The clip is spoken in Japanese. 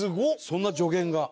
そんな助言が。